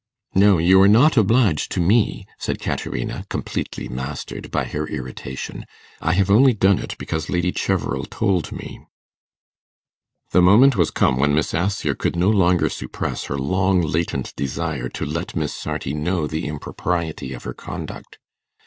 'No, you are not obliged to me,' said Caterina, completely mastered by her irritation; 'I have only done it because Lady Cheverel told me.' The moment was come when Miss Assher could no longer suppress her long latent desire to 'let Miss Sarti know the impropriety of her conduct.